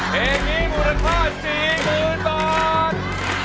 เพลงนี้มูลค่าสองหมื่นบาท